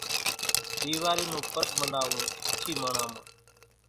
ۮيواري نون پرٻ مناوون ڪڇي ماڻۿان مان